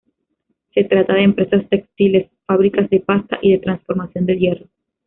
Se trata de empresas textiles, fábricas de pasta y de transformación del hierro.